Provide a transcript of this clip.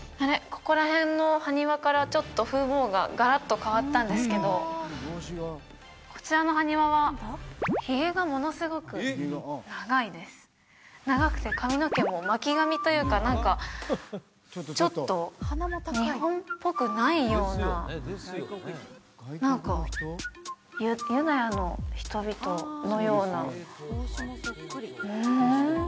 ここら辺の埴輪からちょっと風貌がガラッと変わったんですけどこちらの埴輪はひげがものすごく長いです長くて髪の毛も巻き髪というか何かちょっと日本っぽくないような何かユダヤの人々のようなうん？